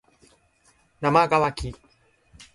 なまがわき